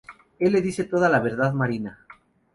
Él le dice toda la verdad Marina.